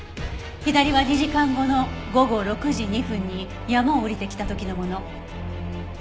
左は２時間後の午後６時２分に山を下りてきた時のもの。